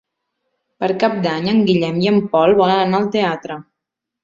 Per Cap d'Any en Guillem i en Pol volen anar al teatre.